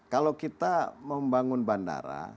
kalau kita membangun bandara